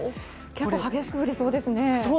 結構激しく降りそうですね。